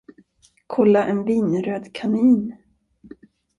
Kolla en vinröd kanin.